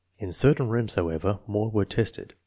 In certain rooms, however, more were tested.